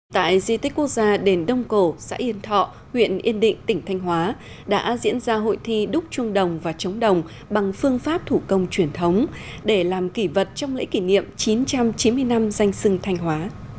tại di tích quốc gia đền đông cổ xã yên thọ huyện yên định tỉnh thanh hóa đã diễn ra hội thi đúc chuông đồng và trống đồng bằng phương pháp thủ công truyền thống để làm kỷ vật trong lễ kỷ niệm chín trăm chín mươi năm danh sừng thanh hóa